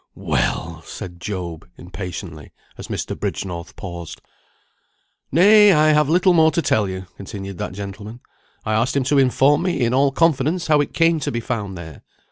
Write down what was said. "Well!" said Job, impatiently, as Mr. Bridgenorth paused. "Nay! I have little more to tell you," continued that gentleman. "I asked him to inform me in all confidence, how it came to be found there.